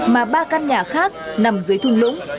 mà ba căn nhà khác nằm dưới thung lũng